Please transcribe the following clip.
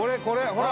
ほら。